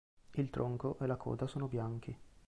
Il tronco e la coda sono bianchi.